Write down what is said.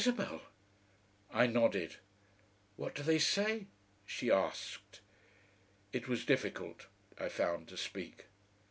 "Isabel!" I nodded. "What do they say?" she asked. It was difficult, I found, to speak.